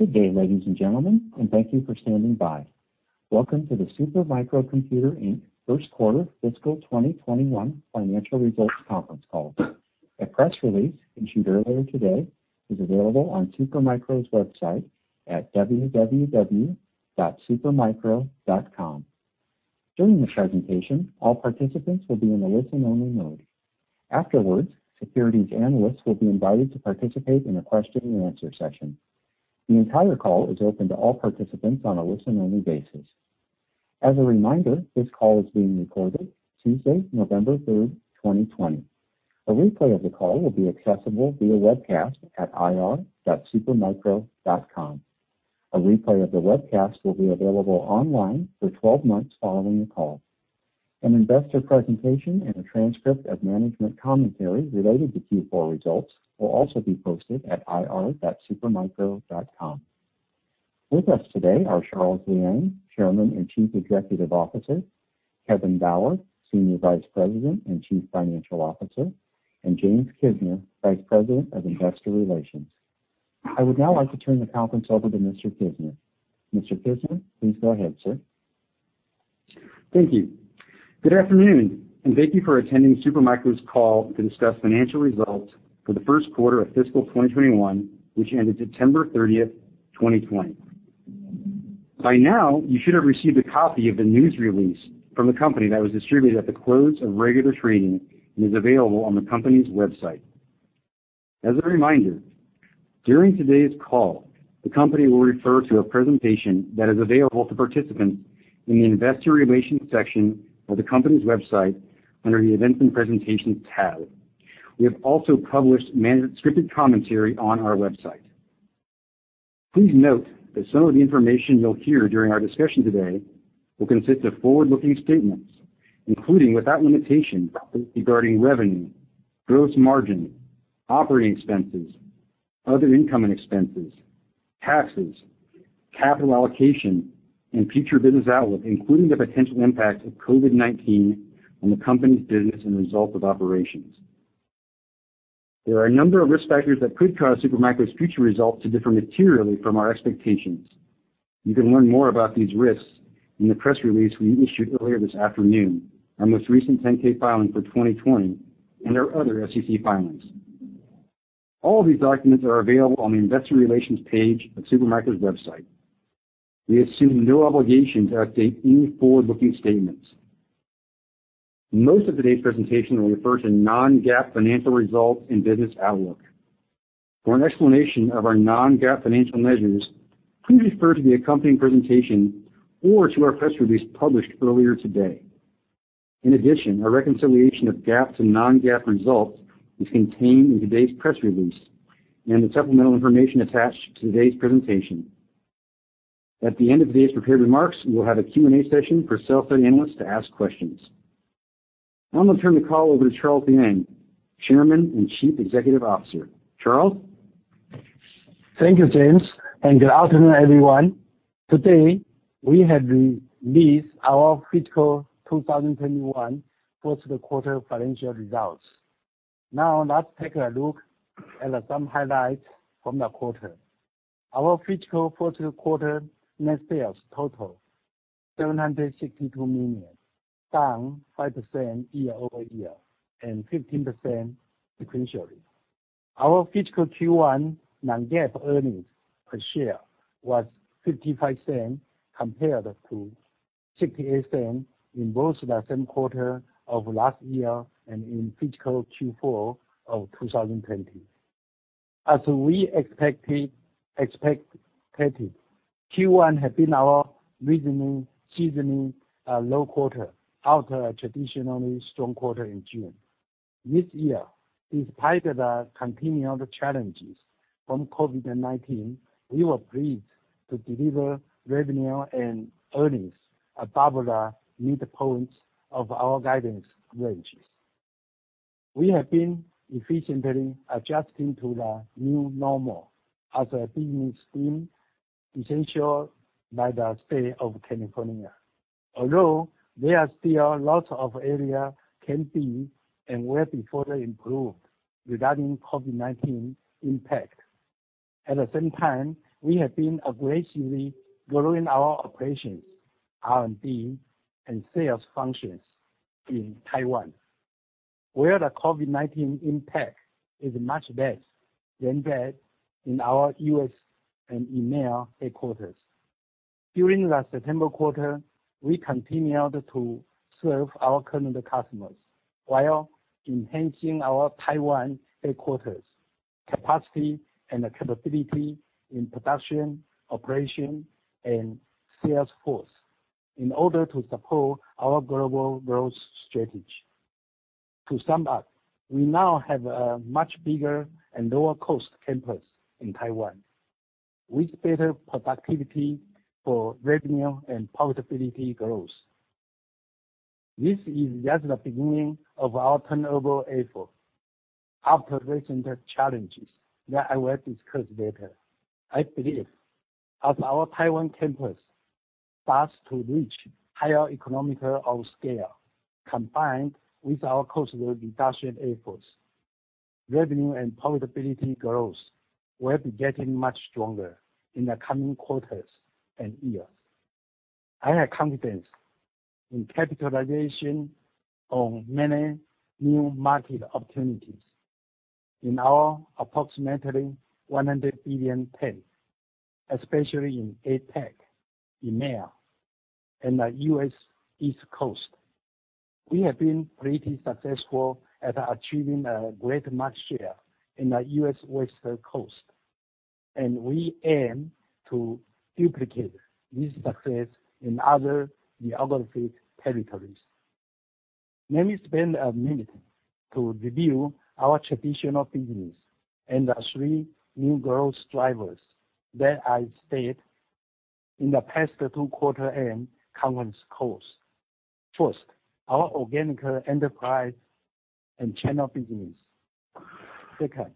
Good day, ladies and gentlemen, and thank you for standing by. Welcome to the Super Micro Computer, Inc. first quarter fiscal 2021 financial results conference call. A press release issued earlier today is available on Supermicro's website at www.supermicro.com. During the presentation, all participants will be in a listen-only mode. Afterwards, securities analysts will be invited to participate in a question and answer session. The entire call is open to all participants on a listen-only basis. As a reminder, this call is being recorded Tuesday, November 3rd, 2020. A replay of the call will be accessible via webcast at ir.supermicro.com. A replay of the webcast will be available online for 12 months following the call. An investor presentation and a transcript of management commentary related to Q4 results will also be posted at ir.supermicro.com. With us today are Charles Liang, Chairman and Chief Executive Officer, Kevin Bauer, Senior Vice President and Chief Financial Officer, and James Kisner, Vice President of Investor Relations. I would now like to turn the conference over to Mr. Kisner. Mr. Kisner, please go ahead, sir. Thank you. Good afternoon, and thank you for attending Supermicro's call to discuss financial results for the first quarter of fiscal 2021, which ended September 30th, 2020. By now, you should have received a copy of the news release from the company that was distributed at the close of regular trading and is available on the company's website. As a reminder, during today's call, the company will refer to a presentation that is available to participants in the investor relations section of the company's website under the events and presentations tab. We have also published management scripted commentary on our website. Please note that some of the information you'll hear during our discussion today will consist of forward-looking statements, including without limitation regarding revenue, gross margin, operating expenses, other income and expenses, taxes, capital allocation, and future business outlook, including the potential impact of COVID-19 on the company's business and results of operations. There are a number of risk factors that could cause Super Micro's future results to differ materially from our expectations. You can learn more about these risks in the press release we issued earlier this afternoon, our most recent 10-K filing for 2020, and our other SEC filings. All of these documents are available on the investor relations page of Super Micro's website. We assume no obligation to update any forward-looking statements. Most of today's presentation will refer to non-GAAP financial results and business outlook. For an explanation of our non-GAAP financial measures, please refer to the accompanying presentation or to our press release published earlier today. In addition, a reconciliation of GAAP to non-GAAP results is contained in today's press release and the supplemental information attached to today's presentation. At the end of today's prepared remarks, we'll have a Q&A session for sell-side analysts to ask questions. Now I'm going to turn the call over to Charles Liang, Chairman and Chief Executive Officer. Charles? Thank you, James, and good afternoon, everyone. Today, we have released our fiscal 2021 first quarter financial results. Let's take a look at some highlights from the quarter. Our fiscal first quarter net sales totaled $762 million, down 5% year-over-year and 15% sequentially. Our fiscal Q1 non-GAAP earnings per share was $0.55 compared to $0.68 in both the same quarter of last year and in fiscal Q4 of 2020. As we expected, Q1 had been our seasonally low quarter after a traditionally strong quarter in June. This year, despite the continued challenges from COVID-19, we were pleased to deliver revenue and earnings above the midpoints of our guidance ranges. We have been efficiently adjusting to the new normal as a business deemed essential by the State of California. Although there are still lots of areas can be and will be further improved regarding COVID-19 impact. At the same time, we have been aggressively growing our operations, R&D, and sales functions in Taiwan, where the COVID-19 impact is much less than that in our U.S. and EMEA headquarters. During the September quarter, we continued to serve our current customers while enhancing our Taiwan headquarters' capacity and capability in production, operation, and sales force in order to support our global growth strategy. To sum up, we now have a much bigger and lower cost campus in Taiwan with better productivity for revenue and profitability growth. This is just the beginning of our turnaround effort after recent challenges that I will discuss later. I believe as our Taiwan campus starts to reach higher economies of scale, combined with our cost reduction efforts, revenue and profitability growth will be getting much stronger in the coming quarters and years. I have confidence in capitalization on many new market opportunities in our approximately $100 billion TAM, especially in APAC, EMEA, and the U.S. East Coast. We have been pretty successful at achieving a great market share in the U.S. West Coast, and we aim to duplicate this success in other geographic territories. Let me spend a minute to review our traditional business and the three new growth drivers that I stated in the past two quarter end conference calls. First, our organic enterprise and channel business. Second,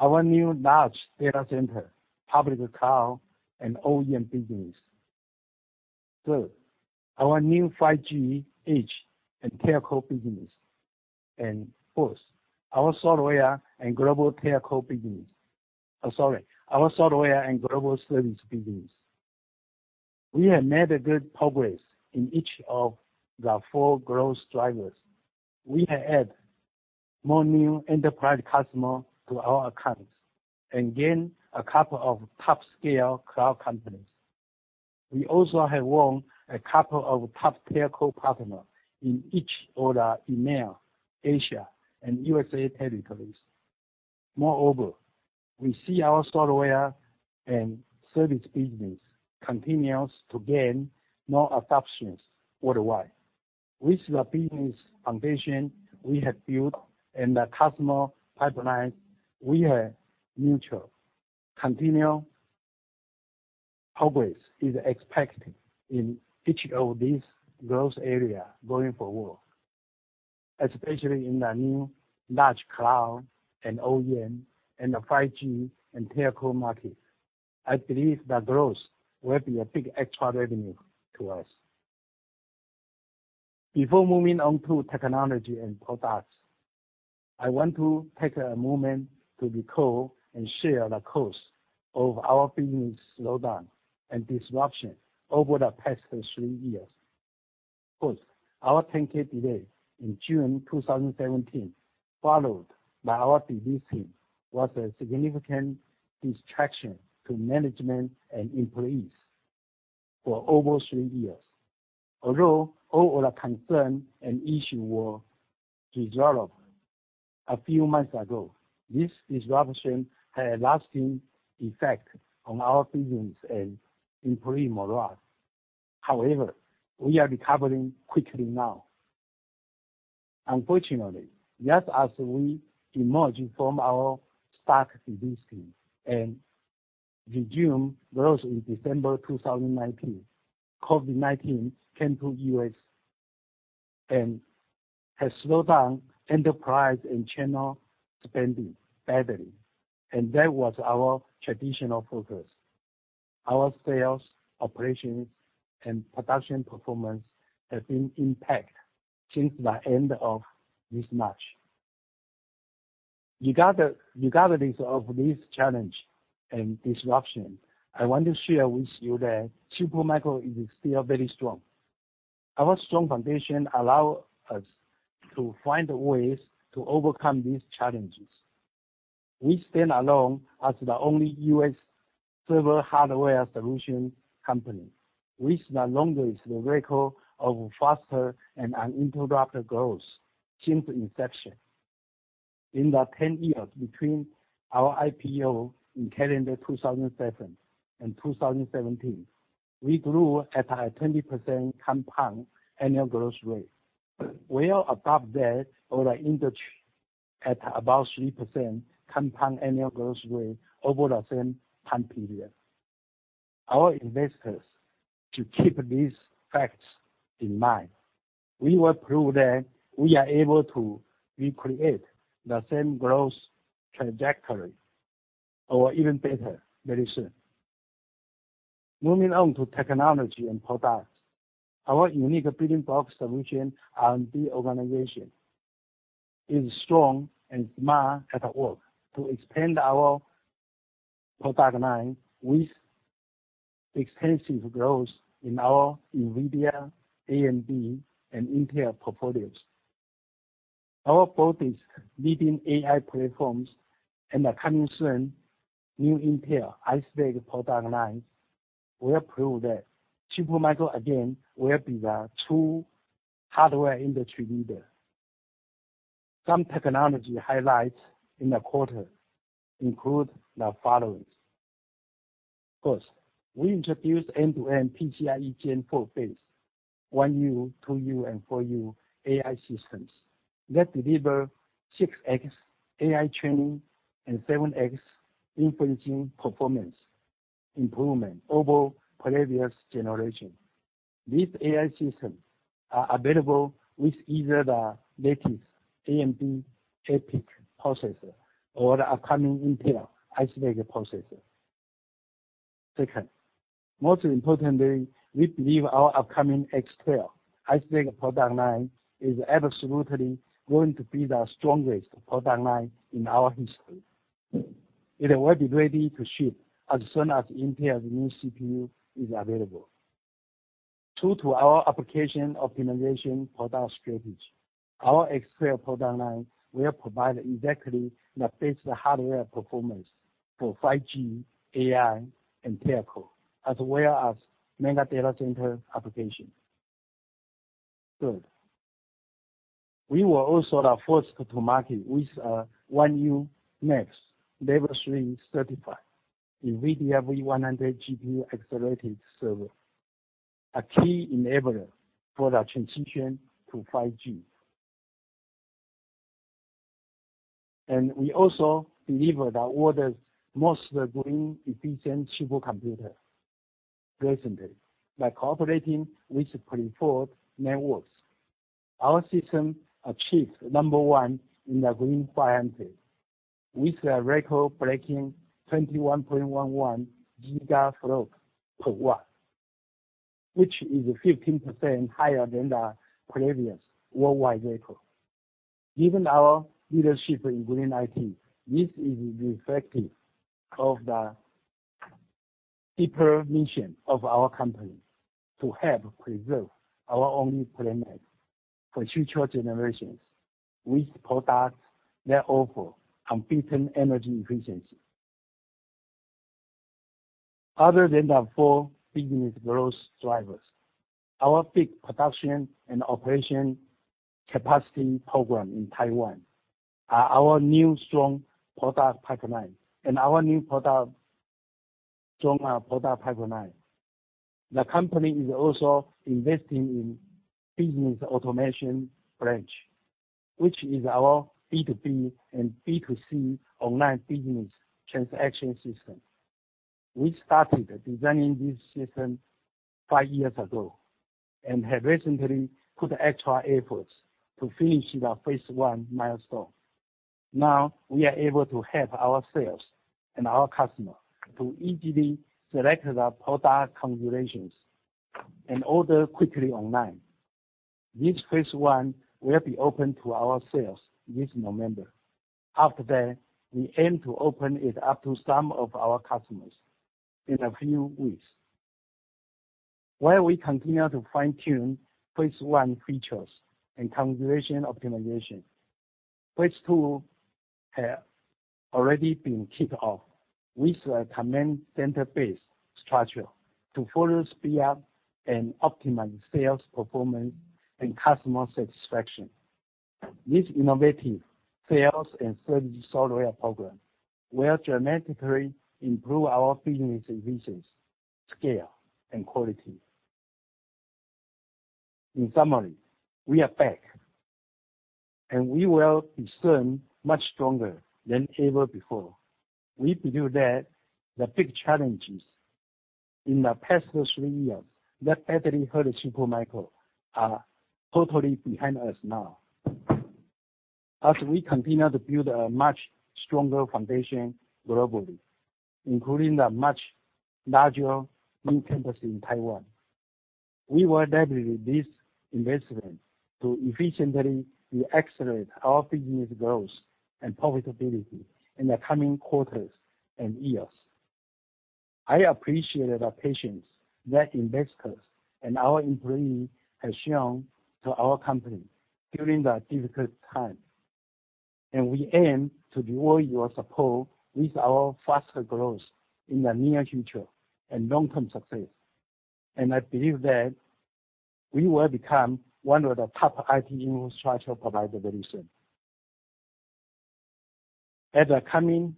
our new large data center, public cloud, and OEM business. Third, our new 5G, Edge and Telco business. Fourth, our software and global service business. We have made good progress in each of the four growth drivers. We have added more new enterprise customers to our accounts and gained a couple of top-scale cloud companies. We also have won a couple of top telco partners in each of the EMEA, Asia, and U.S.A. territories. Moreover, we see our software and service business continues to gain more adoptions worldwide. With the business foundation we have built and the customer pipelines we have nurtured, continual progress is expected in each of these growth areas going forward, especially in the new large cloud and OEM and the 5G and telco market. I believe the growth will be a big extra revenue to us. Before moving on to technology and products, I want to take a moment to recall and share the course of our business slowdown and disruption over the past three years. First, our 10-K delay in June 2017, followed by our delisting, was a significant distraction to management and employees for over three years. Although all the concerns and issues were resolved a few months ago, this disruption had a lasting effect on our business and employee morale. We are recovering quickly now. Unfortunately, just as we emerged from our stock delisting and resumed growth in December 2019, COVID-19 came to U.S. and has slowed down enterprise and channel spending badly, and that was our traditional focus. Our sales, operations, and production performance have been impacted since the end of this March. Regardless of this challenge and disruption, I want to share with you that Super Micro is still very strong. Our strong foundation allows us to find ways to overcome these challenges. We stand alone as the only U.S. server hardware solution company with the longest record of faster and uninterrupted growth since inception. In the 10 years between our IPO in calendar 2007 and 2017, we grew at a 20% compound annual growth rate, well above that of the industry at about 3% compound annual growth rate over the same time period. Our investors should keep these facts in mind. We will prove that we are able to recreate the same growth trajectory, or even better, very soon. Moving on to technology and products. Our unique Building Block Solution R&D organization is strong and smart at work to expand our product line with extensive growth in our NVIDIA, AMD, and Intel portfolios. Our broadest leading AI platforms and the coming soon new Intel Ice Lake product lines will prove that Super Micro again will be the true hardware industry leader. Some technology highlights in the quarter include the following. First, we introduced end-to-end PCI-E Gen4-based 1U, 2U, and 4U AI systems that deliver 6x AI training and 7x inferencing performance improvement over previous generation. These AI systems are available with either the latest AMD EPYC processor or the upcoming Intel Ice Lake processor. Second, most importantly, we believe our upcoming X12 Ice Lake product line is absolutely going to be the strongest product line in our history. It will be ready to ship as soon as Intel's new CPU is available. True to our application optimization product strategy, our X12 product line will provide exactly the best hardware performance for 5G, AI, and telco, as well as mega data center applications. Third, we were also the first to market with a 1U NEBS Level 3 certified NVIDIA V100 GPU accelerated server, a key enabler for the transition to 5G. We also deliver the world's most green-efficient supercomputer recently. By collaborating with Preferred Networks, our system achieved number 1 in the Green500, with a record-breaking 21.11 GFLOPS per watt, which is 15% higher than the previous worldwide record. Given our leadership in green IT, this is reflective of the deeper mission of our company to help preserve our only planet for future generations with products that offer complete energy efficiency. Other than the four business growth drivers, our big production and operation capacity program in Taiwan are our new strong product pipeline, and our new product from our product pipeline. The company is also investing in business automation branch, which is our B2B and B2C online business transaction system. We started designing this system five years ago and have recently put extra efforts to finish the phase one milestone. Now, we are able to help our sales and our customer to easily select the product configurations and order quickly online. This phase one will be open to our sales this November. After that, we aim to open it up to some of our customers in a few weeks. While we continue to fine-tune phase one features and configuration optimization, phase two has already been kicked off with a command center-based structure to further speed up and optimize sales performance and customer satisfaction. This innovative sales and service software program will dramatically improve our business efficiency, scale, and quality. In summary, we are back, and we will return much stronger than ever before. We believe that the big challenges in the past three years that badly hurt Super Micro are totally behind us now. As we continue to build a much stronger foundation globally, including the much larger new campus in Taiwan, we will leverage this investment to efficiently re-accelerate our business growth and profitability in the coming quarters and years. I appreciate the patience that investors and our employees have shown to our company during the difficult time. We aim to reward your support with our faster growth in the near future and long-term success. I believe that we will become one of the top IT infrastructure provider very soon. At our coming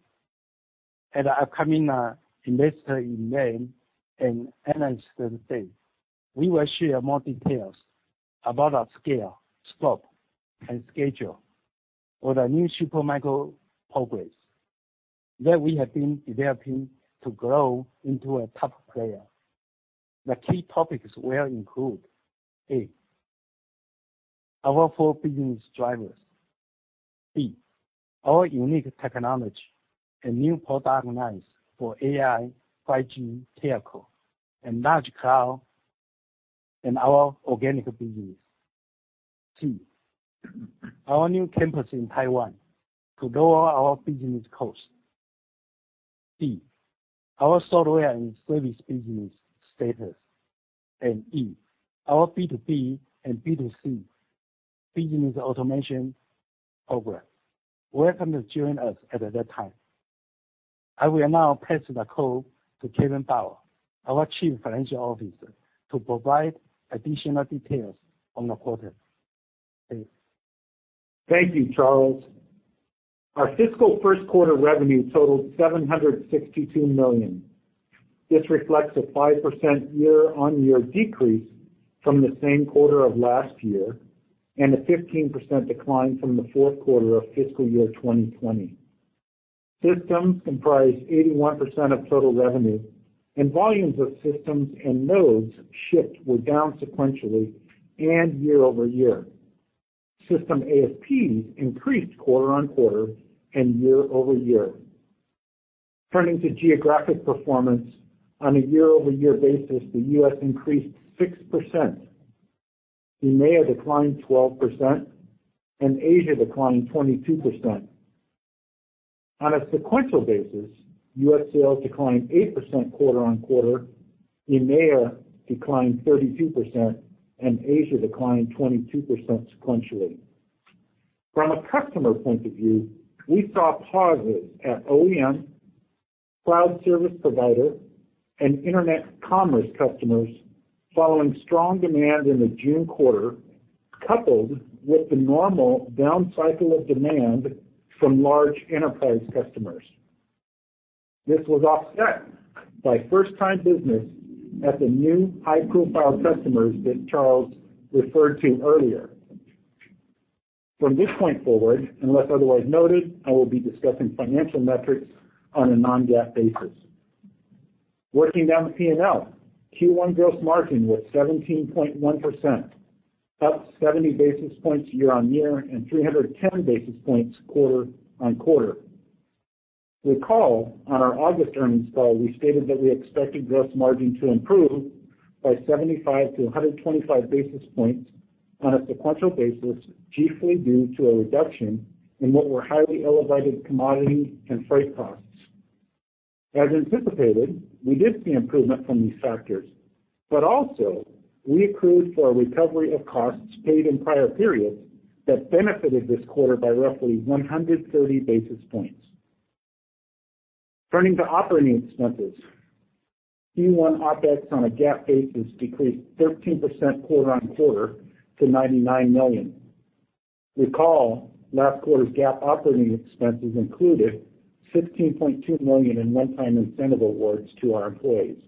investor event and analyst day, we will share more details about our scale, scope, and schedule for the new Super Micro progress that we have been developing to grow into a top player. The key topics will include, A, our four business drivers. B, our unique technology and new product lines for AI, 5G, telco, and large cloud, and our organic business. C, our new campus in Taiwan to lower our business cost. D, our software and service business status. E, our B2B and B2C business automation program. Welcome to join us at that time. I will now pass the call to Kevin Bauer, our Chief Financial Officer, to provide additional details on the quarter. Thanks. Thank you, Charles. Our fiscal first quarter revenue totaled $762 million. This reflects a 5% year-on-year decrease from the same quarter of last year and a 15% decline from the fourth quarter of fiscal year 2020. Systems comprised 81% of total revenue, and volumes of systems and nodes shipped were down sequentially and year-over-year. System ASPs increased quarter-on-quarter and year-over-year. Turning to geographic performance, on a year-over-year basis, the U.S. increased 6%, EMEA declined 12%, and Asia declined 22%. On a sequential basis, U.S. sales declined 8% quarter-on-quarter, EMEA declined 32%, and Asia declined 22% sequentially. From a customer point of view, we saw pauses at OEM, cloud service provider, and internet commerce customers following strong demand in the June quarter, coupled with the normal downcycle of demand from large enterprise customers. This was offset by first time business at the new high profile customers that Charles referred to earlier. From this point forward, unless otherwise noted, I will be discussing financial metrics on a non-GAAP basis. Working down the P&L, Q1 gross margin was 17.1%, up 70 basis points year-on-year and 310 basis points quarter-on-quarter. Recall on our August earnings call, we stated that we expected gross margin to improve by 75 basis points-125 basis points on a sequential basis, chiefly due to a reduction in what were highly elevated commodity and freight costs. As anticipated, we did see improvement from these factors, but also we accrued for a recovery of costs paid in prior periods that benefited this quarter by roughly 130 basis points. Turning to operating expenses, Q1 OpEx on a GAAP basis decreased 13% quarter-on-quarter to $99 million. Recall last quarter's GAAP operating expenses included $16.2 million in one-time incentive awards to our employees.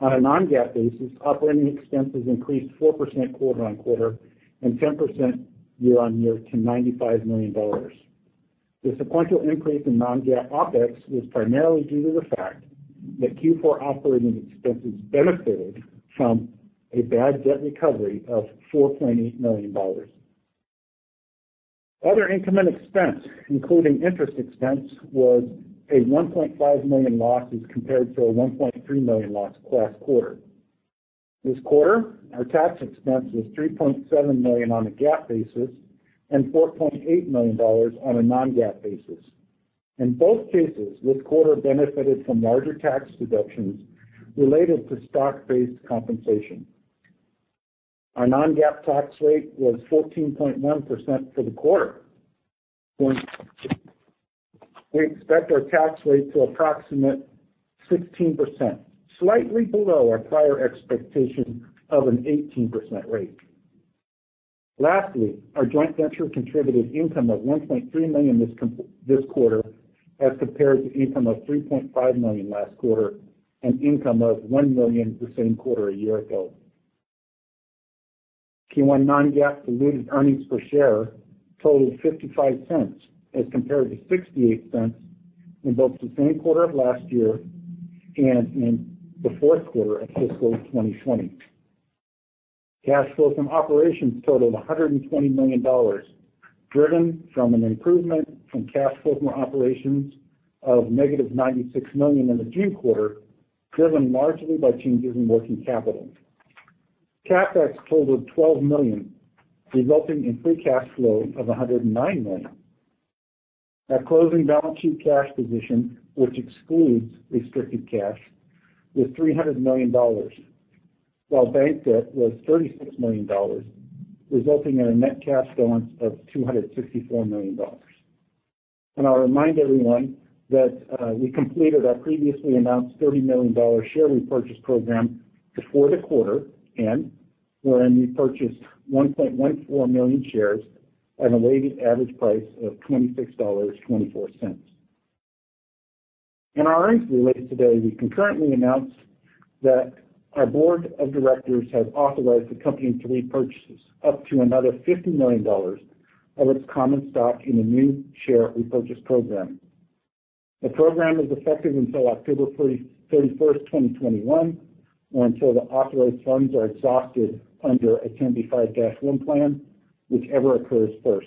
On a non-GAAP basis, operating expenses increased 4% quarter-on-quarter and 10% year-on-year to $95 million. The sequential increase in non-GAAP OpEx was primarily due to the fact that Q4 operating expenses benefited from a bad debt recovery of $4.8 million. Other income and expense, including interest expense, was a $1.5 million loss as compared to a $1.3 million loss last quarter. This quarter, our tax expense was $3.7 million on a GAAP basis and $4.8 million on a non-GAAP basis. In both cases, this quarter benefited from larger tax deductions related to stock-based compensation. Our non-GAAP tax rate was 14.1% for the quarter. We expect our tax rate to approximate 16%, slightly below our prior expectation of an 18% rate. Lastly, our joint venture contributed income of $1.3 million this quarter as compared to income of $3.5 million last quarter and income of $1 million the same quarter a year ago. Q1 non-GAAP diluted earnings per share totaled $0.55 as compared to $0.68 in both the same quarter of last year and in the fourth quarter of fiscal 2020. Cash flow from operations totaled $120 million, driven from an improvement from cash flow from operations of -$96 million in the June quarter, driven largely by changes in working capital. CapEx totaled $12 million, resulting in free cash flow of $109 million. Our closing balance sheet cash position, which excludes restricted cash, was $300 million, while bank debt was $36 million, resulting in a net cash balance of $264 million. I'll remind everyone that we completed our previously announced $30 million share repurchase program before the quarter, wherein we purchased 1.14 million shares at a weighted average price of $26.24. In our earnings release today, we concurrently announced that our board of directors has authorized the company to repurchase up to another $50 million of its common stock in a new share repurchase program. The program is effective until October 31st, 2021, or until the authorized funds are exhausted under a 10b5-1 plan, whichever occurs first.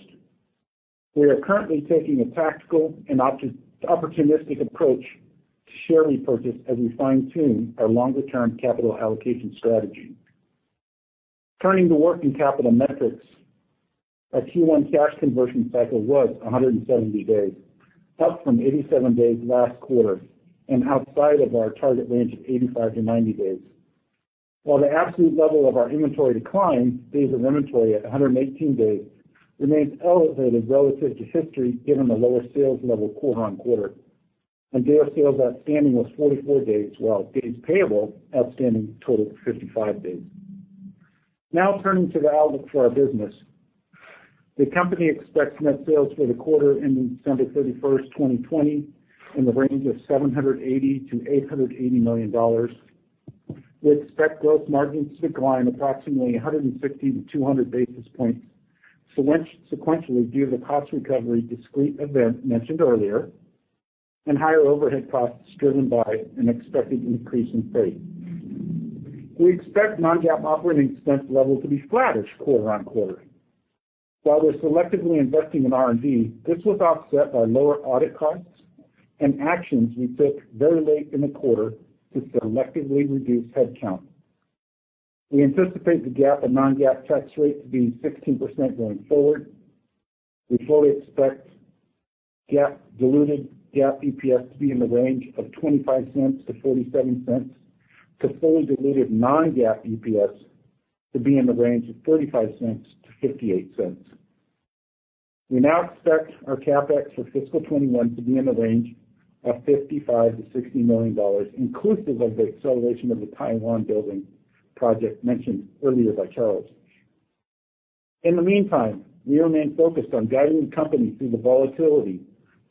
We are currently taking a tactical and opportunistic approach to share repurchase as we fine-tune our longer-term capital allocation strategy. Turning to working capital metrics, our Q1 cash conversion cycle was 170 days, up from 87 days last quarter and outside of our target range of 85-90 days. While the absolute level of our inventory declined, days of inventory at 118 days remains elevated relative to history given the lower sales level quarter-on-quarter, and days sales outstanding was 44 days, while days payable outstanding totaled 55 days. Turning to the outlook for our business. The company expects net sales for the quarter ending December 31st, 2020, in the range of $780 million-$880 million. We expect gross margins to decline approximately 160 basis points-200 basis points sequentially due to the cost recovery discrete event mentioned earlier, and higher overhead costs driven by an expected increase in freight. We expect non-GAAP operating expense level to be flattish quarter-on-quarter. While we're selectively investing in R&D, this was offset by lower audit costs and actions we took very late in the quarter to selectively reduce headcount. We anticipate the GAAP and non-GAAP tax rate to be 16% going forward. We fully expect GAAP diluted, GAAP EPS to be in the range of $0.25-$0.47, to fully diluted non-GAAP EPS to be in the range of $0.35-$0.58. We now expect our CapEx for fiscal 2021 to be in the range of $55 million-$60 million, inclusive of the acceleration of the Taiwan building project mentioned earlier by Charles. In the meantime, we remain focused on guiding the company through the volatility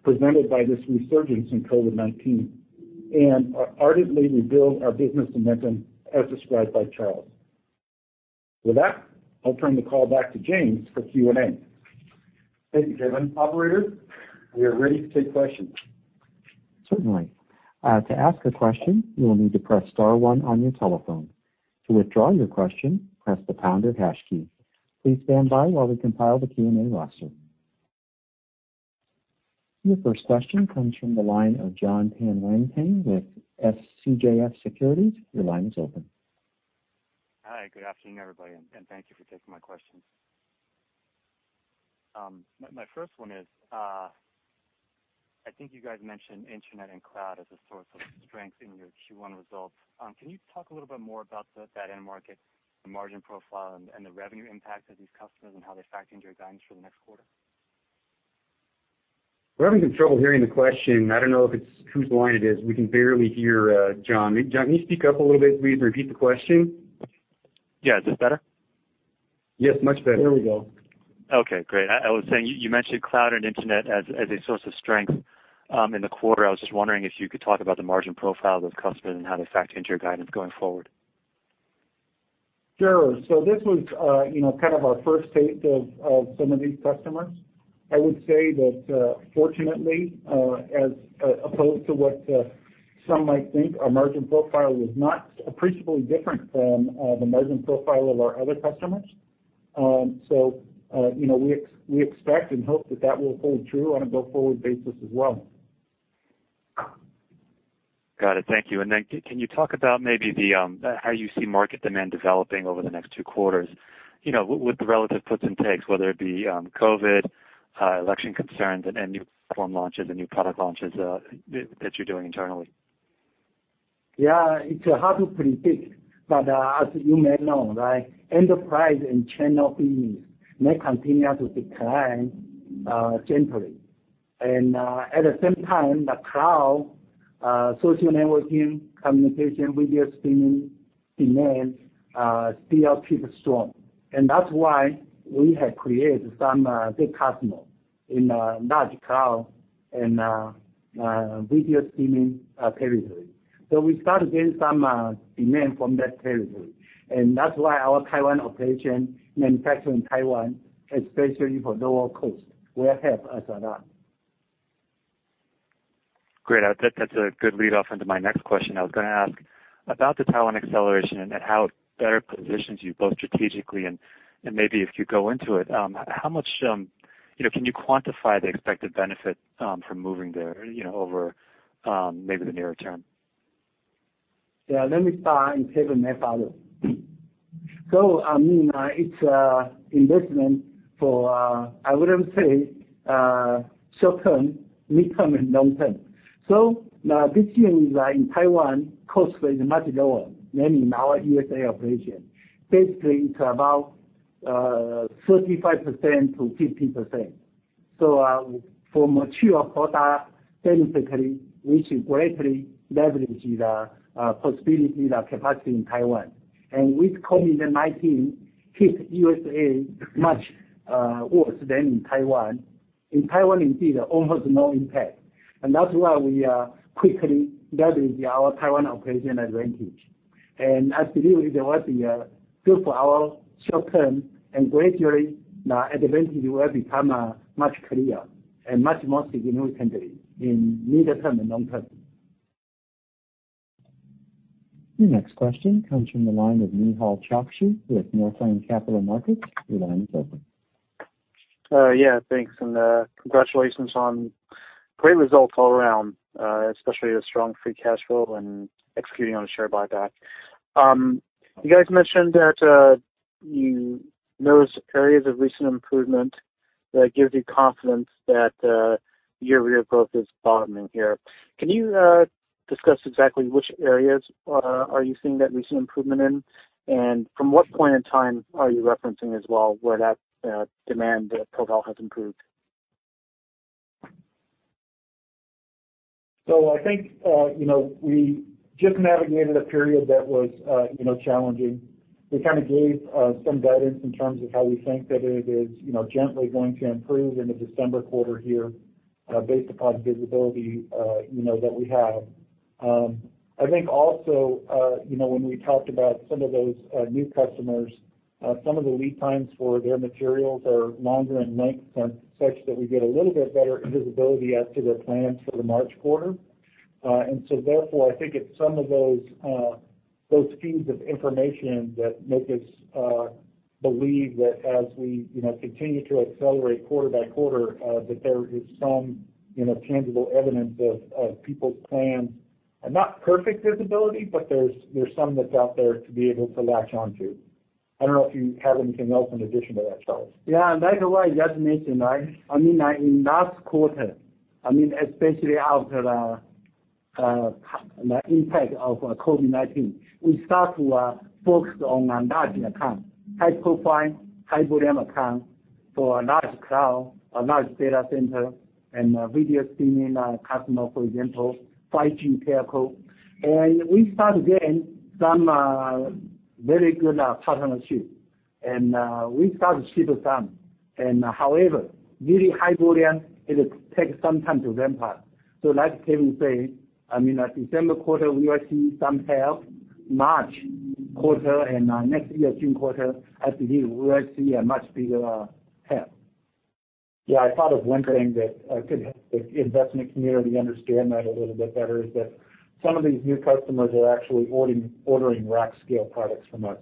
presented by this resurgence in COVID-19 and are ardently rebuild our business momentum as described by Charles. With that, I'll turn the call back to James for Q&A. Thank you, Kevin. Operator, we are ready to take questions. Certainly. To ask a question, you will need to press star one on your telephone. To withdraw your question, press the pound or hash key. Please stand by while we compile the Q&A roster. Your first question comes from the line of Jon Tanwanteng with CJS Securities. Your line is open. Hi, good afternoon, everybody, and thank you for taking my questions. My first one is, I think you guys mentioned internet and cloud as a source of strength in your Q1 results. Can you talk a little bit more about that end market, the margin profile, and the revenue impact of these customers and how they factor into your guidance for the next quarter? We're having some trouble hearing the question. I don't know whose line it is. We can barely hear Jon. Jon, can you speak up a little bit, please, and repeat the question? Yeah. Is this better? Yes, much better. There we go. Okay, great. I was saying you mentioned cloud and internet as a source of strength, in the quarter. I was just wondering if you could talk about the margin profile of those customers and how they factor into your guidance going forward? Sure. This was our first taste of some of these customers. I would say that, fortunately, as opposed to what some might think, our margin profile was not appreciably different from the margin profile of our other customers. We expect and hope that that will hold true on a go-forward basis as well. Got it. Thank you. Can you talk about maybe how you see market demand developing over the next two quarters, with the relative puts and takes, whether it be COVID, election concerns, and new platform launches and new product launches that you're doing internally? Yeah, it's hard to predict, but as you may know, right, enterprise and channel business may continue to decline gently. At the same time, the cloud, social networking communication, video streaming demands still keep strong. That's why we have created some big customers in large cloud and video streaming territory. We start to gain some demand from that territory, and that's why our Taiwan operation, manufacturing in Taiwan, especially for lower cost, will help us a lot. Great. That's a good lead off into my next question. I was going to ask about the Taiwan acceleration and how it better positions you both strategically and maybe if you go into it. Can you quantify the expected benefit from moving there over maybe the near term? Yeah, let me start and Kevin may follow. It's investment for, I would even say, short term, midterm, and long term. This year in Taiwan, cost is much lower than in our U.S.A. operation. Basically, it's about 35%-50%. For mature product, basically, we should greatly leverage the possibility, the capacity in Taiwan. With COVID-19 hit U.S.A. much worse than in Taiwan. In Taiwan, indeed, almost no impact. That's why we are quickly leverage our Taiwan operation advantage. I believe it will be good for our short term and gradually the advantage will become much clearer and much more significantly in medium term and long term. Your next question comes from the line of Nehal Chokshi with Northland Capital Markets. Your line is open. Yeah, thanks. Congratulations on great results all around, especially the strong free cash flow and executing on the share buyback. You guys mentioned that you notice areas of recent improvement that gives you confidence that your growth is bottoming here. Can you discuss exactly which areas are you seeing that recent improvement in? From what point in time are you referencing as well where that demand profile has improved? I think we just navigated a period that was challenging. We gave some guidance in terms of how we think that it is gently going to improve in the December quarter here, based upon visibility that we have. Also when we talked about some of those new customers, some of the lead times for their materials are longer in length, and such that we get a little bit better visibility as to their plans for the March quarter. Therefore, I think it's some of those feeds of information that make us believe that as we continue to accelerate quarter by quarter, that there is some tangible evidence of people's plans. Not perfect visibility, but there's some that's out there to be able to latch onto. I don't know if you have anything else in addition to that, Charles. Yeah. Like what I just mentioned. In last quarter, especially after the impact of COVID-19, we start to focus on large account, high profile, high volume account for a large cloud, a large data center, and video streaming customer, for example, 5G telco. We start getting some very good partnership. We start to ship some. However, really high volume, it takes some time to ramp up. Like Kevin say, December quarter, we are seeing some help. March quarter and next year June quarter, I believe we will see a much bigger help. I thought of one thing that could help the investment community understand that a little bit better, is that some of these new customers are actually ordering rack scale products from us.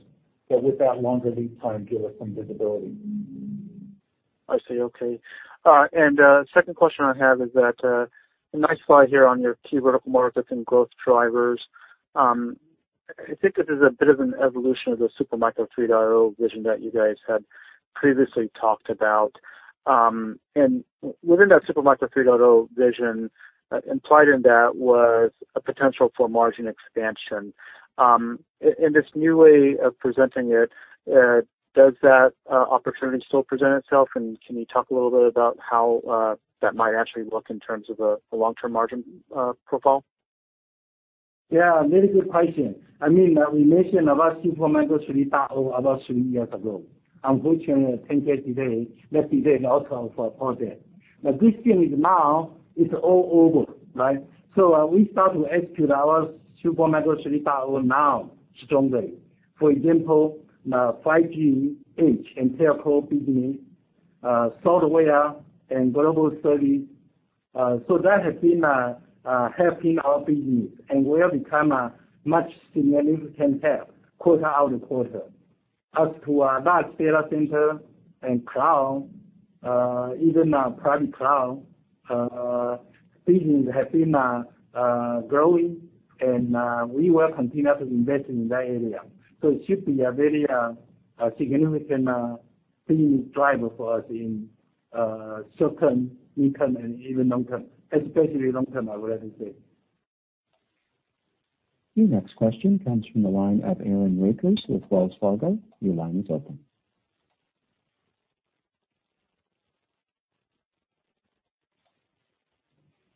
With that longer lead time, give us some visibility. I see. Okay. Second question I have is that nice slide here on your key vertical markets and growth drivers. I think this is a bit of an evolution of the Super Micro 3.0 vision that you guys had previously talked about. Within that Super Micro 3.0 vision, implied in that was a potential for margin expansion. In this new way of presenting it, does that opportunity still present itself? Can you talk a little bit about how that might actually look in terms of a long-term margin profile? Yeah. Very good question. We mentioned about Super Micro 3.0 about three years ago. Unfortunately, I think that delay, is also for our project. The good thing is now, it's all over. We start to execute our Super Micro 3.0 now strongly. For example, 5G, Edge and Telco business, software and global service. That has been helping our business, and will become a much significant help quarter out of quarter. As to our large data center and cloud, even our private cloud business have been growing and we will continue to invest in that area. It should be a very significant business driver for us in short-term, mid-term, and even long-term, especially long-term, I would even say. Your next question comes from the line of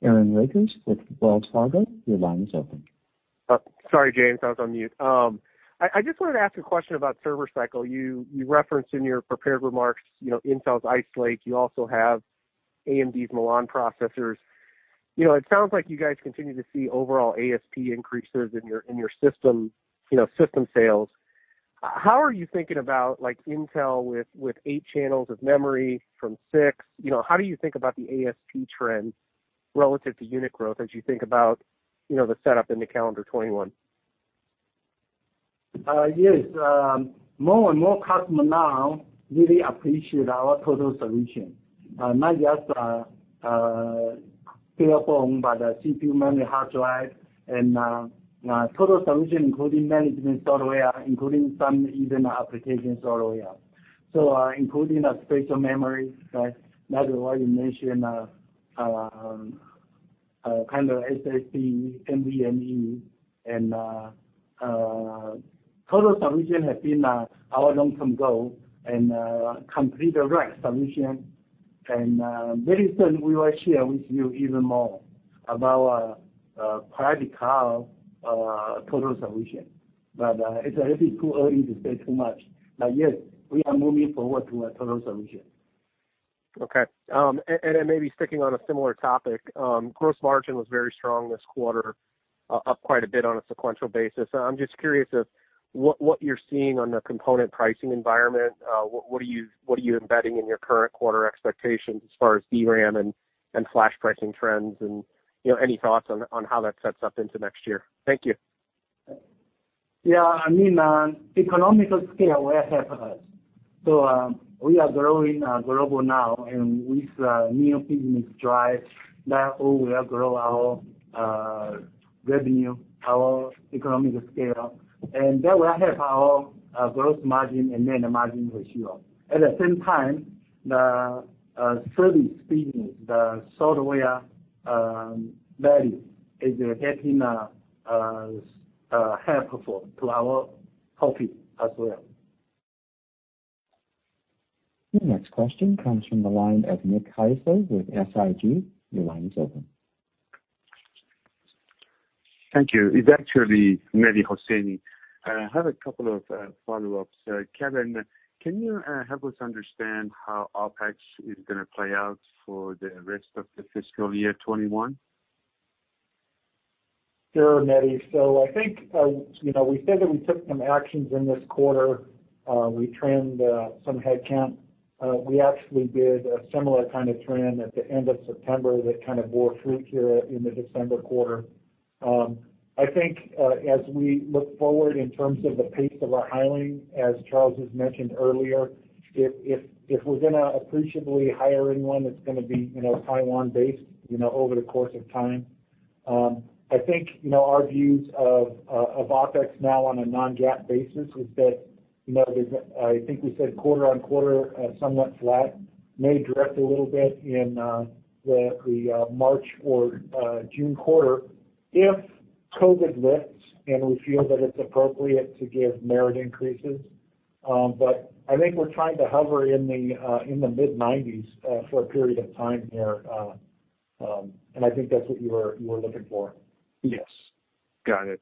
Aaron Rakers with Wells Fargo. Your line is open. Sorry, James, I was on mute. I just wanted to ask a question about server cycle. You referenced in your prepared remarks Intel's Ice Lake. You also have AMD's Milan processors. It sounds like you guys continue to see overall ASP increases in your system sales. How are you thinking about Intel with eight channels of memory from six? How do you think about the ASP trend relative to unit growth as you think about the setup into calendar 2021? Yes. More and more customers now really appreciate our total solution. Not just barebone, but CPU, memory, hard drive, and total solution, including management software, including some even application software. Including [special] memory, right? That is why you mentioned kind of SSD, NVMe, and total solution has been our long-term goal, and complete the right solution. Very soon we will share with you even more about our private cloud total solution. It will be too early to say too much. Yes, we are moving forward to a total solution. Okay. Maybe sticking on a similar topic. Gross margin was very strong this quarter, up quite a bit on a sequential basis. I'm just curious of what you're seeing on the component pricing environment. What are you embedding in your current quarter expectations as far as DRAM and flash pricing trends? Any thoughts on how that sets up into next year? Thank you. Yeah. Economies of scale will help us. We are growing global now, and with new business drive, that will help grow our revenue, our economies of scale. That will help our gross margin and net margin ratio. At the same time, the service business, the software value is helping to our profit as well. Your next question comes from the line of Nick Heisler with SIG. Your line is open. Thank you. It's actually Mehdi Hosseini. I have a couple of follow-ups. Kevin, can you help us understand how OpEx is going to play out for the rest of the fiscal year 2021? Sure, Mehdi. I think, we said that we took some actions in this quarter. We trimmed some headcount. We actually did a similar kind of trend at the end of September that kind of bore fruit here in the December quarter. I think, as we look forward in terms of the pace of our hiring, as Charles has mentioned earlier, if we're going to appreciably hire anyone, it's going to be Taiwan-based over the course of time. I think our views of OpEx now on a non-GAAP basis is that, I think we said quarter on quarter, somewhat flat, may drift a little bit in the March or June quarter if COVID lifts and we feel that it's appropriate to give merit increases. I think we're trying to hover in the mid-90s for a period of time here. I think that's what you were looking for. Yes. Got it.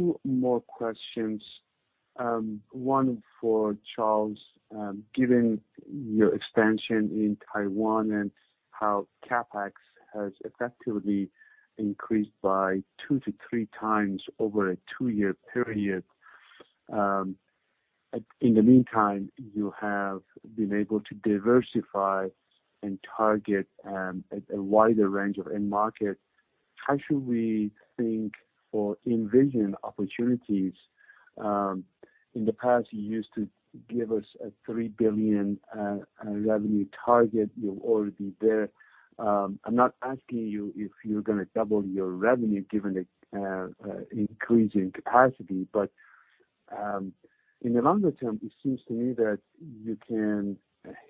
Two more questions. One for Charles. Given your expansion in Taiwan and how CapEx has effectively increased by two to three times over a two-year period. In the meantime, you have been able to diversify and target a wider range of end market. How should we think or envision opportunities? In the past, you used to give us a $3 billion revenue target. You're already there. I'm not asking you if you're going to double your revenue given the increase in capacity, but in the longer term, it seems to me that you can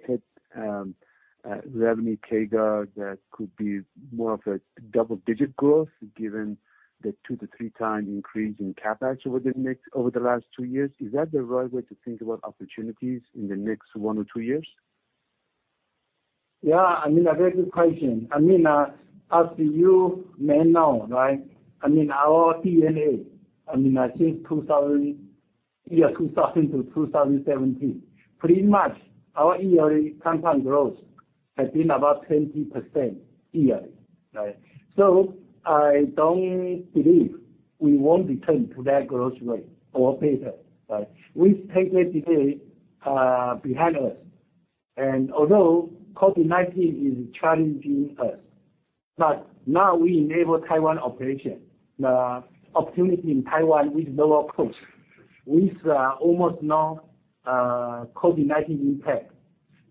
hit revenue CAGR that could be more of a double-digit growth given the two to three times increase in CapEx over the last two years. Is that the right way to think about opportunities in the next one or two years? Yeah, very good question. As you may know, our DNA since year 2000 to 2017, pretty much our yearly compound growth has been about 20% yearly. I don't believe we won't return to that growth rate or better. We take what 2020 behind us, although COVID-19 is challenging us, now we enable Taiwan operation, the opportunity in Taiwan with lower cost, with almost no COVID-19 impact.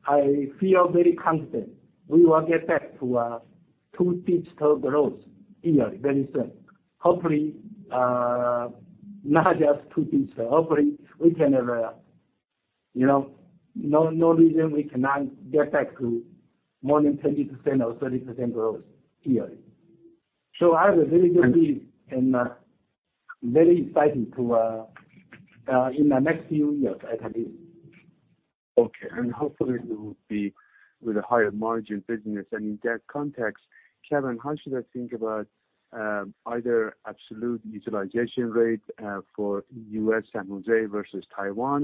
I feel very confident we will get back to two-digit growth yearly very soon. Hopefully, not just two digits. Hopefully, no reason we cannot get back to more than 20% or 30% growth yearly. I have a very good view and very exciting in the next few years, I believe. Okay. Hopefully, we will be with a higher margin business. In that context, Kevin, how should I think about either absolute utilization rate for U.S. San Jose versus Taiwan?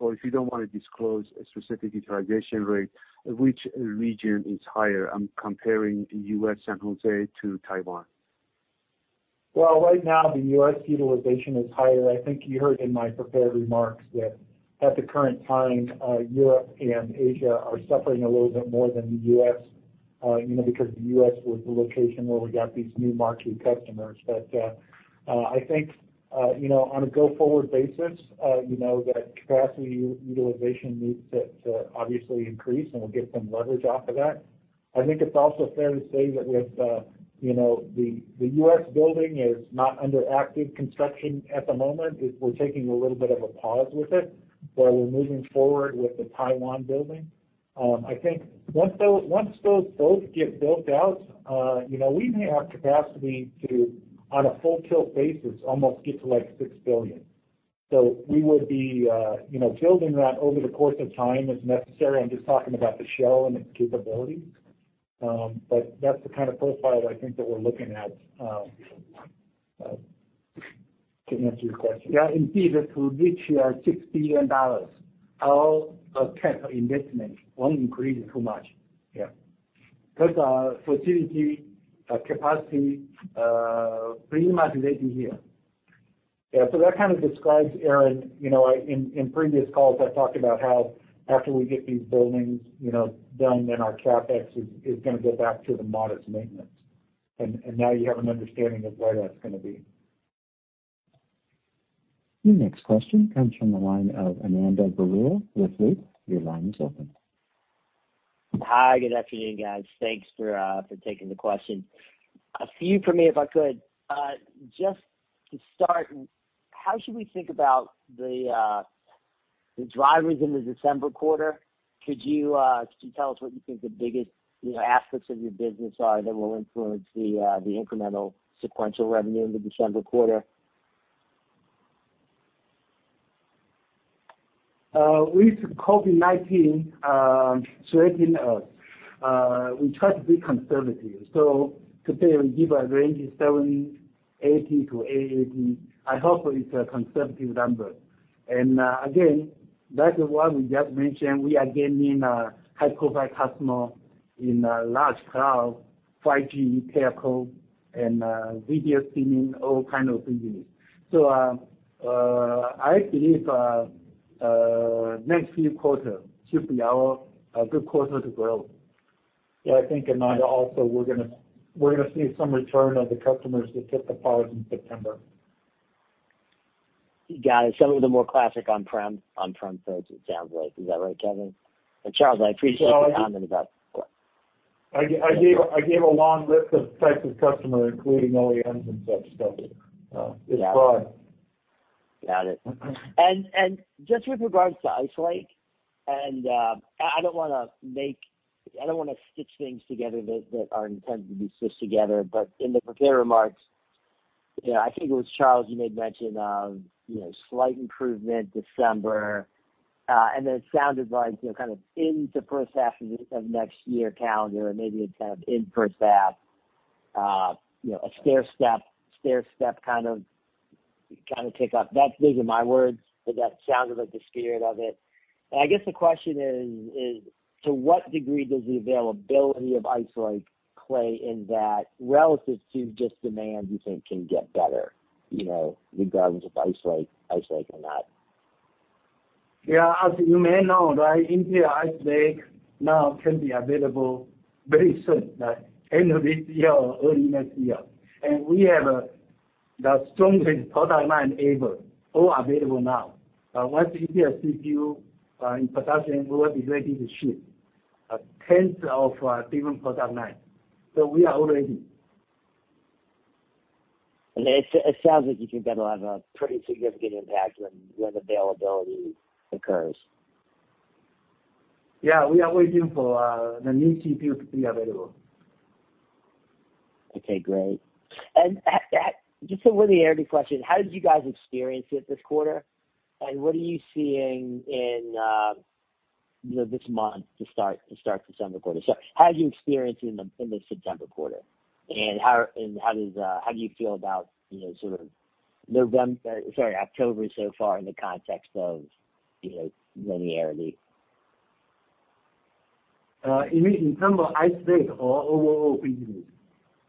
If you don't want to disclose a specific utilization rate, which region is higher? I'm comparing U.S. San Jose to Taiwan. Well, right now, the U.S. utilization is higher. I think you heard in my prepared remarks that at the current time, Europe and Asia are suffering a little bit more than the U.S., because the U.S. was the location where we got these new marquee customers. I think on a go-forward basis, that capacity utilization needs to obviously increase, and we'll get some leverage off of that. I think it's also fair to say that with the U.S. building is not under active construction at the moment. We're taking a little bit of a pause with it, while we're moving forward with the Taiwan building. I think once those both get built out, we may have capacity to, on a full-tilt basis, almost get to like $6 billion. We would be building that over the course of time as necessary. I'm just talking about the shell and its capabilities. That's the kind of profile I think that we're looking at to answer your question. Yeah, indeed, it will reach $6 billion. Our CapEx investment won't increase too much. Our facility capacity pretty much ready here. Yeah. That kind of describes, Aaron, in previous calls, I talked about how after we get these buildings done, then our CapEx is going to go back to the modest maintenance. Now you have an understanding of where that's going to be. Your next question comes from the line of Ananda Baruah with Loop. Your line is open. Hi, good afternoon, guys. Thanks for taking the question. A few from me, if I could. Just to start, how should we think about the drivers in the December quarter? Could you tell us what you think the biggest aspects of your business are that will influence the incremental sequential revenue in the December quarter? With COVID-19 threatening us, we try to be conservative. Today, we give a range of $780 million-$880 million. I hope it's a conservative number. Again, that is why we just mentioned we are gaining high-profile customer in large cloud, 5G, telco, and video streaming, all kind of business. I believe next few quarter should be our good quarter to grow. Yeah, I think, Ananda, also, we're going to see some return of the customers that took the product in September. Got it. Some of the more classic on-prem folks, it sounds like. Is that right, Kevin? And Charles, I appreciate the comment about [support]. I gave a long list of types of customer, including OEMs and such, so it's broad. Got it. Just with regards to Ice Lake, and I don't want to stitch things together that aren't intended to be stitched together, but in the prepared remarks, I think it was Charles, you made mention of slight improvement December. Then it sounded like into first half of next year calendar, or maybe it's in first half, a stairstep kind of kick off. Those are my words, but that sounded like the spirit of it. I guess the question is, to what degree does the availability of Ice Lake play in that relative to just demand you think can get better, regardless of Ice Lake or not? Yeah. As you may know, Intel Ice Lake now can be available very soon, end of this year or early next year. We have the strongest product line ever, all available now. Once Intel CPU are in production, we will be ready to ship tens of different product lines. We are all ready. It sounds like you think that'll have a pretty significant impact when availability occurs. We are waiting for the new CPU to be available. Okay, great. Just a linearity question, how did you guys experience it this quarter? What are you seeing in this month to start December quarter? How did you experience it in the September quarter? How do you feel about October so far in the context of linearity? You mean in terms of Ice Lake or overall business?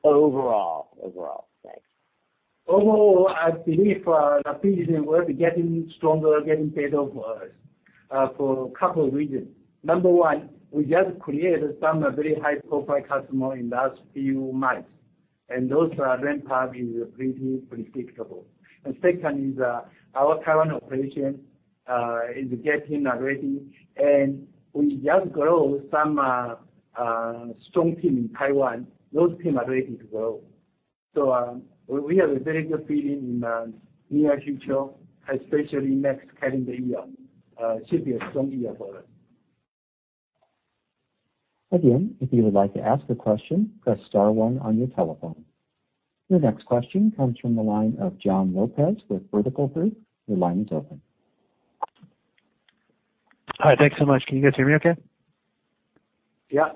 Overall. Thanks. Overall, I believe the business will be getting stronger, getting better for us for a couple of reasons. Number one, we just created some very high-profile customer in last few months. Those ramp-up is pretty predictable. Second is our Taiwan operation is getting ready, and we just grow some strong team in Taiwan. Those team are ready to grow. We have a very good feeling in near future, especially next calendar year should be a strong year for us. Your next question comes from the line of Jon Lopez with Vertical Group. Hi, thanks so much. Can you guys hear me okay? Yeah.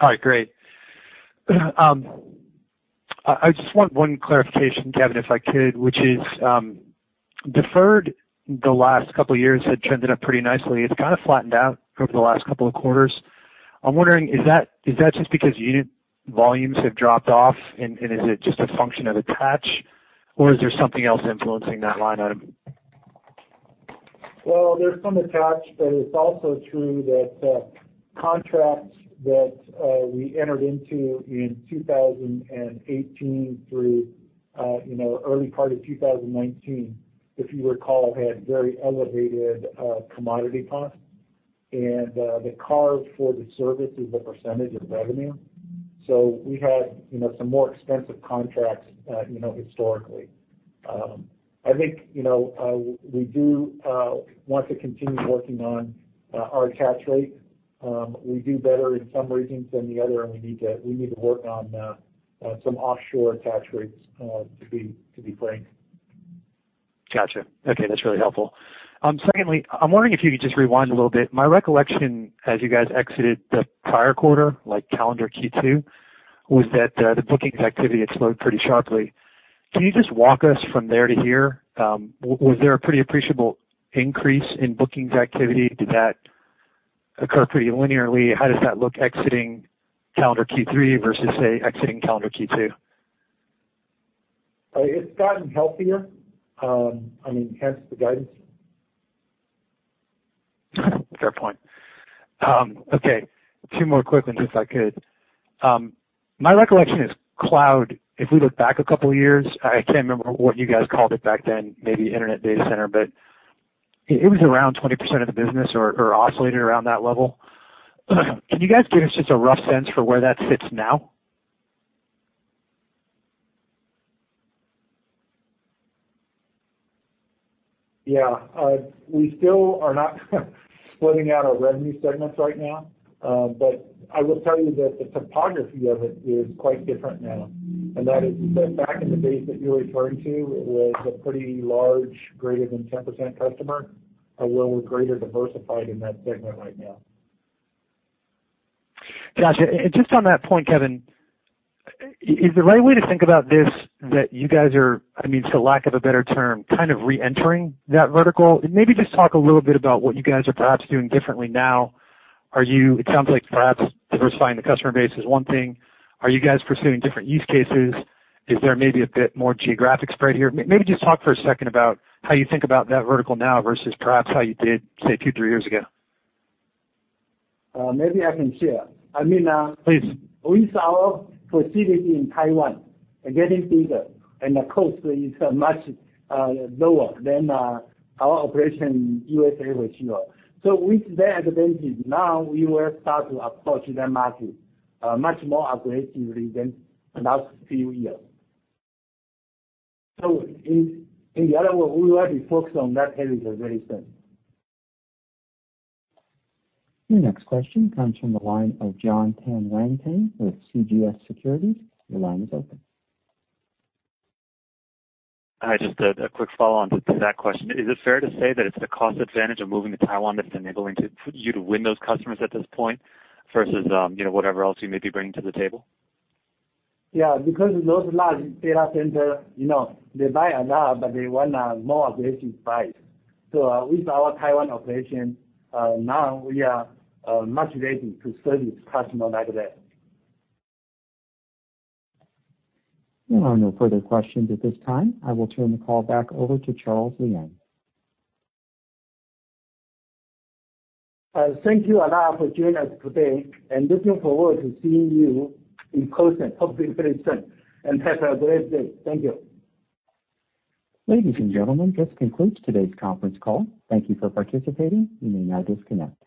All right, great. I just want one clarification, Kevin, if I could, which is deferred the last couple of years had trended up pretty nicely. It's kind of flattened out over the last couple of quarters. I'm wondering, is that just because unit volumes have dropped off and is it just a function of attach, or is there something else influencing that line item? Well, there's some attach, but it's also true that contracts that we entered into in 2018 through early part of 2019, if you recall, had very elevated commodity costs. The carve for the service is a percentage of revenue. We had some more expensive contracts historically. I think we do want to continue working on our attach rate. We do better in some regions than the other, and we need to work on some offshore attach rates to be frank. Got you. Okay, that's really helpful. Secondly, I'm wondering if you could just rewind a little bit. My recollection as you guys exited the prior quarter, like calendar Q2, was that the bookings activity slowed pretty sharply. Can you just walk us from there to here? Was there a pretty appreciable increase in bookings activity? Did that occur pretty linearly? How does that look exiting calendar Q3 versus, say, exiting calendar Q2? It's gotten healthier. I mean, hence the guidance. Fair point. Okay, two more quick ones, if I could. My recollection is cloud, if we look back a couple of years, I can't remember what you guys called it back then, maybe internet data center, but it was around 20% of the business or oscillated around that level. Can you guys give us just a rough sense for where that sits now? Yeah. We still are not splitting out our revenue segments right now. I will tell you that the topography of it is quite different now. That is back in the base that you're referring to, it was a pretty large, greater than 10% customer, where we're greater diversified in that segment right now. Got you. Just on that point, Kevin, is the right way to think about this, that you guys are, for lack of a better term, re-entering that vertical? Maybe just talk a little bit about what you guys are perhaps doing differently now. It sounds like perhaps diversifying the customer base is one thing. Are you guys pursuing different use cases? Is there maybe a bit more geographic spread here? Maybe just talk for a second about how you think about that vertical now versus perhaps how you did, say, two, three years ago. Maybe I can share. Please. With our facility in Taiwan getting bigger and the cost is much lower than our operation in U.S.A. was, you know. With their advantage now, we will start to approach that market much more aggressively than the last few years. In the other way, we already focused on that area very soon. Your next question comes from the line of Jon Tanwanteng with CJS Securities. Your line is open. Hi, just a quick follow-on to that question. Is it fair to say that it's the cost advantage of moving to Taiwan that's enabling you to win those customers at this point versus, whatever else you may be bringing to the table? Yeah, because those large data center, they buy a lot, but they want a more aggressive price. With our Taiwan operation, now we are much ready to serve this customer like that. There are no further questions at this time. I will turn the call back over to Charles Liang. Thank you a lot for joining us today, and looking forward to seeing you in person, hopefully very soon. Have a great day. Thank you. Ladies and gentlemen, this concludes today's conference call. Thank you for participating. You may now disconnect.